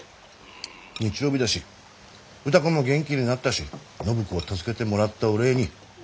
日曜日だし歌子も元気になったし暢子を助けてもらったお礼に。